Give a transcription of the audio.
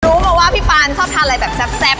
รู้มาว่าพี่ปานชอบทานอะไรแบบแซ่บ